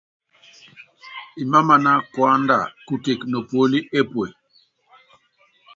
Imámaná kuanda kutek nopúóli epue.